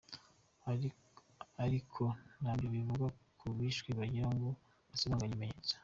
Ariko na byo bivugwa ko yishwe kugira ngo hasibanganywe ibimenyetso.